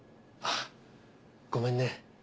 あぁごめんね。